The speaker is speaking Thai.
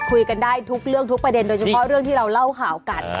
คุยกันได้ทุกเรื่องทุกประเด็นโดยเฉพาะเรื่องที่เราเล่าข่าวกัน